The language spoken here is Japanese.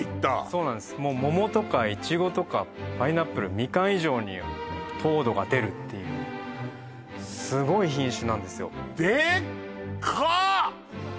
そうなんですももとかいちごとかパイナップルみかん以上に糖度が出るっていうすごい品種なんですよでっか！